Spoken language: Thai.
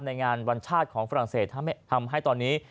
ในงานวันชาติของฝรั่งเศสทำให้ตอนนี้